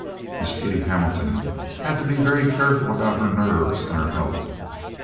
Miss Kitty Hamilton had to be very careful about her nerves and her health.